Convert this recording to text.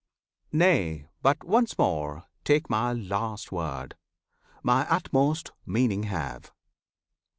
Nay! but once more Take My last word, My utmost meaning have!